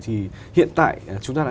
hiện tại chúng ta đã